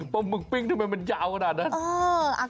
ปลาหมึกปิ้งทำไมมันยาวขนาดนั้น